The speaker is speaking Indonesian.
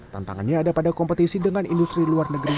tantangannya ada pada kompetisi dengan industri luar negeri